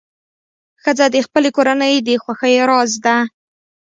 ښځه د خپلې کورنۍ د خوښۍ راز ده.